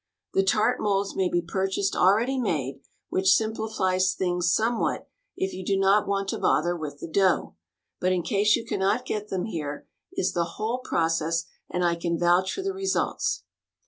The tart molds may be purchased already made, which simplifies things somewhat if you do not want to bother with the dough, but in case you cannot get them here is the whole process and I can vouch for the results.